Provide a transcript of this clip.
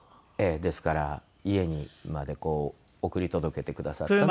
ですから家までこう送り届けてくださった。